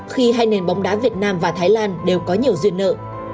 khi hai nền bóng đá việt nam và thái lan đều có nhiều duyên nợ